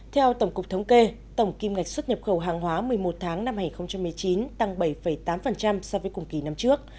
theo tổng cục thống kê tổng kim ngạch xuất nhập khẩu hàng hóa một mươi một tháng năm hai nghìn một mươi chín tăng bảy tám so với cùng kỳ năm trước